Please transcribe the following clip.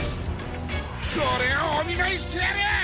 これをおみまいしてやる！